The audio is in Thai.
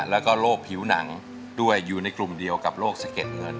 แล้วก็โรคผิวหนังด้วยอยู่ในกลุ่มเดียวกับโรคสะเก็ดเงิน